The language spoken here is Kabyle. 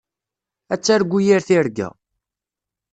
Ad targu yir tirga.